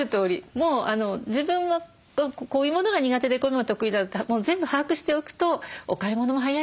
もう自分がこういうものが苦手でこういうものが得意だって全部把握しておくとお買い物も早いですし。